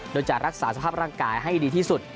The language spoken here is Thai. โดยจะรักษาสภาพร่างกายให้ดีที่สุด